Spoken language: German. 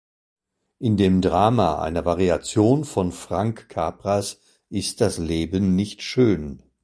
In dem Drama, einer Variation von Frank Capras "Ist das Leben nicht schön?